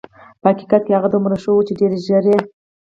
په حقیقت کې هغه دومره ښه وه چې ډېر ژر یې.